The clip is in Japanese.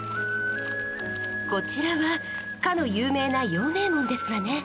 こちらはかの有名な陽明門ですわね。